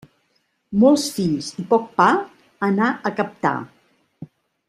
Molts fills i poc pa, anar a captar.